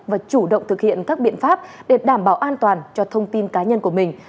và chủ động thực hiện các biện pháp để đảm bảo an toàn cho thông tin cá nhân của mình